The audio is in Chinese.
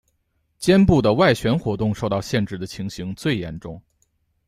肩部的外旋活动受到限制的情形最严重。